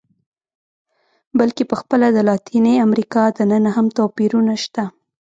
بلکې په خپله د لاتینې امریکا دننه هم توپیرونه شته.